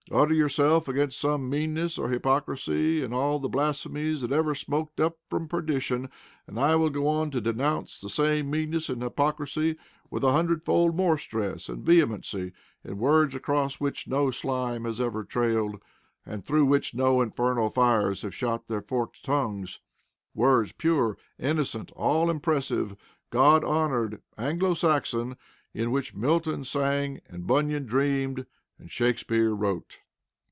Utter yourself against some meanness or hypocrisy in all the blasphemies that ever smoked up from perdition, and I will go on to denounce the same meanness and hypocrisy with a hundred fold more stress and vehemency in words across which no slime has ever trailed, and through which no infernal fires have shot their forked tongues, words pure, innocent, all impressive, God honored, Anglo Saxon, in which Milton sang, and Bunyan dreamed, and Shakespeare wrote.